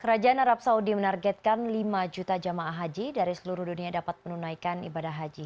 kerajaan arab saudi menargetkan lima juta jamaah haji dari seluruh dunia dapat menunaikan ibadah haji